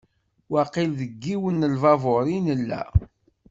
Waqil deg yiwen n lbabur i nella.